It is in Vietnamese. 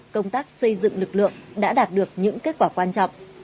công tác xây dựng lực lượng đã đạt được những kết quả quan trọng